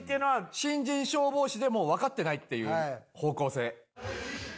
新人消防士でもうわかってないっていう方向性。